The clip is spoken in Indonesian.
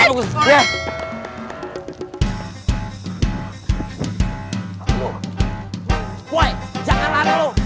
woi jangan lalu lu